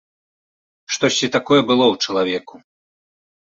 Штосьці такое было ў чалавеку.